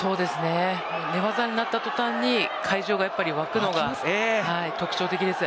寝技になった途端に会場が沸くのが特徴的です。